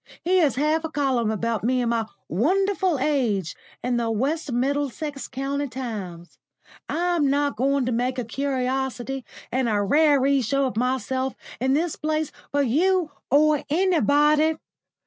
Here's half a column about me and my wonderful age in the West Middlesex County Times. I'm not going to make a curiosity and a raree show of myself in this place for you or anybody.